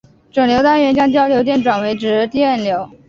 整流单元将交流电转化为直流电。